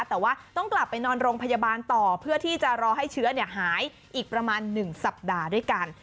แต่ว่าต้องกลับไปนอนโรงพยาบาลต่อเพื่อที่จะรอให้เชื้อหายอีกประมาณ๑สัปดาห์ด้วยกัน